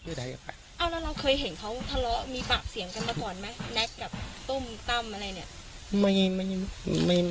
ต้มตั้มอะไรเนี่ย